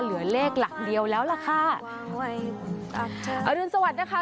เหลือเลขหลักเดียวแล้วล่ะค่ะอรุณสวัสดิ์นะคะ